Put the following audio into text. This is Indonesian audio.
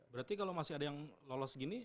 berarti kalau masih ada yang lolos gini